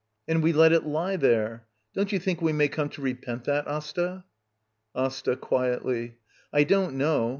And we let it lie there! Don't you think we may come to repent that, Asta? Asta. [Quietly.] I don't know.